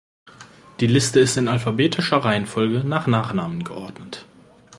Die Liste ist in alphabetischer Reihenfolge nach Nachnamen geordnet.